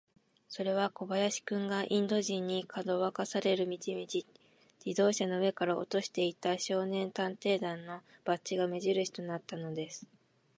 それは小林君が、インド人に、かどわかされる道々、自動車の上から落としていった、少年探偵団のバッジが目じるしとなったのです。